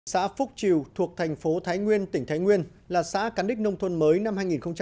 xã phúc triều thuộc thành phố thái nguyên tỉnh thái nguyên là xã cán đích nông thôn mới năm hai nghìn một mươi bảy